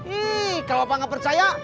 ih kalo bapak gak percaya